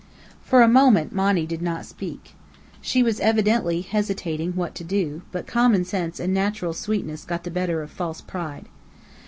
For a moment Monny did not speak. She was evidently hesitating what to do, but common sense and natural sweetness got the better of false pride.